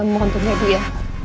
mohon tunggu ibu ya